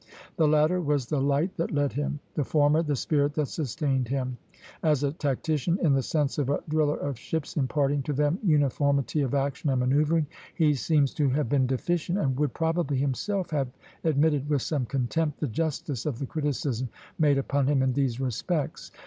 The latter was the light that led him, the former the spirit that sustained him. As a tactician, in the sense of a driller of ships, imparting to them uniformity of action and manoeuvring, he seems to have been deficient, and would probably himself have admitted, with some contempt, the justice of the criticism made upon him in these respects.